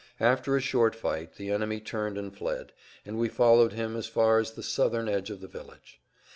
After a short fight the enemy turned and fled, and we followed him as far as the southern edge of the village.